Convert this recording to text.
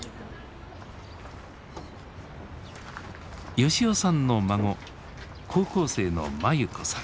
吉男さんの孫高校生の眞優子さん。